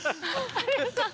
有吉さん